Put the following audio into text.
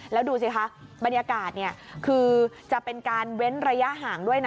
แล้วดูสิคะบรรยากาศคือจะเป็นการเว้นระยะห่างด้วยนะ